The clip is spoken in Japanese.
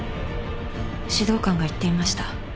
指導官が言っていました。